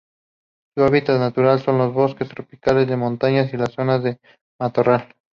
Su hábitat natural son los bosques tropicales de montaña y las zonas de matorral.